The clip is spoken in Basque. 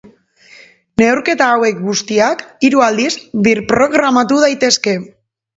Neurketa hauek guztiak hiru aldiz birprogramatu daitezke.